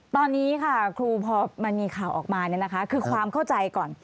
ตอนนี้ค่ะครูพอมันมีข่าวออกมาคือความเข้าใจก่อน